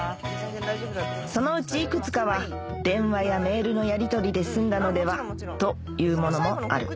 そのうちいくつかは電話やメールのやりとりで済んだのでは？というものもある